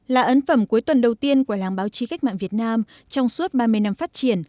là ấn phẩm cuối tuần đầu tiên của làng báo chí cách mạng việt nam trong suốt ba mươi năm phát triển